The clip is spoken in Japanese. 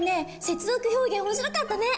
「接続表現」面白かったね。